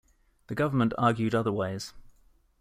The Government argued otherwise.